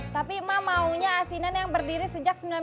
tapi ma maunya asinan yang berdiri sejak seribu sembilan ratus dua puluh bang